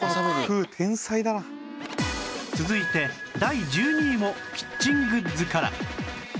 続いて第１２位もキッチングッズから